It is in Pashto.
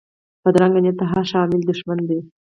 بدرنګه نیت د هر ښه عمل دشمن دی